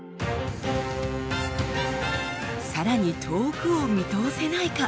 さらに遠くを見通せないか？